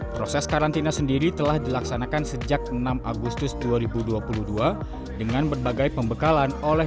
proses karantina sendiri telah dilaksanakan sejak enam agustus dua ribu dua puluh dua dengan berbagai pembekalan oleh